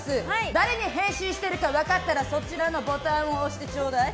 誰に変身しているか分かったらそちらのボタンを押してちょうだい。